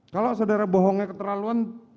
kalau saudara bohongnya keterlaluan